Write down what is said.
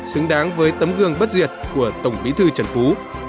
xứng đáng với tấm gương bất diệt của tổng bí thư trần phú